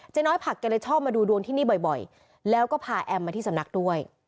น้อยผักแกเลยชอบมาดูดวงที่นี่บ่อยแล้วก็พาแอมมาที่สำนักด้วย